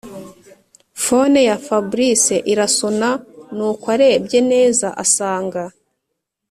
phone ya fabric irasona nuko arebye neza asanga